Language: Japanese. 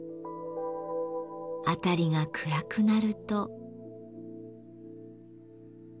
辺りが暗くなると。